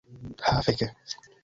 Ha, fek.